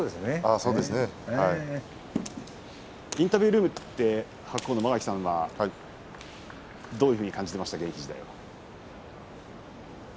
インタビュールームは間垣さんはどういうふうに感じていましたか。